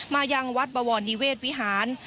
ยังวัดบวรนิเวศวิหาร